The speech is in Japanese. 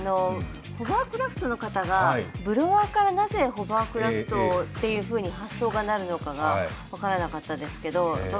ホバークラフトの方がブロアーからなぜホバークラフトというふうに発想になるのかが分からなかったですけど